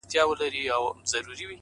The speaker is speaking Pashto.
• چي سبا او بله ورځ اوبه وچیږي ,